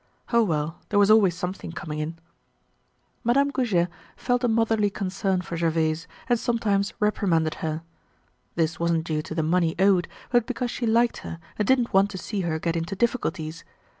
Oh well, there was always something coming in. Madame Goujet felt a motherly concern for Gervaise and sometimes reprimanded her. This wasn't due to the money owed but because she liked her and didn't want to see her get into difficulties.